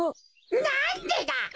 なんでだ？